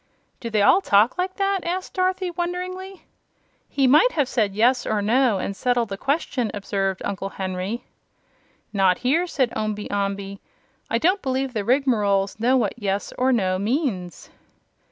"Do they all talk like that?" asked Dorothy, wonderingly. "He might have said 'yes' or 'no' and settled the question," observed Uncle Henry. "Not here," said Omby Amby. "I don't believe the Rigmaroles know what 'yes' or 'no' means."